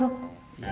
iya udah makan